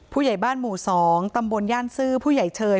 ผู้ใหญ่บ้านหมู่๒ตำบลย่านซื่อผู้ใหญ่เชย